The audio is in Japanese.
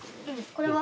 これは？